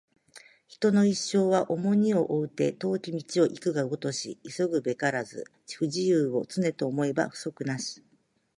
人の一生は重荷を負うて、遠き道を行くがごとし急ぐべからず不自由を、常と思えば不足なし